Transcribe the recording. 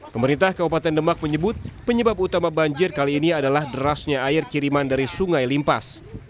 pemerintah kabupaten demak menyebut penyebab utama banjir kali ini adalah derasnya air kiriman dari sungai limpas